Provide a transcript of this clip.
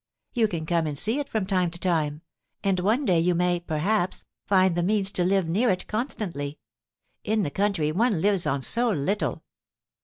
You can come and see it from time to time; and one day you may, perhaps, find the means to live near it constantly. In the country, one lives on so little!"